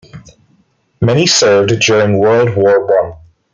Many served during World War One.